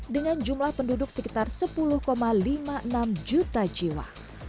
dengan jumlah penduduk sekitar sepuluh lima puluh enam juta jiwa